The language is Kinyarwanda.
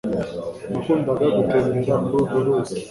nakundaga gutembera kuri urwo ruzi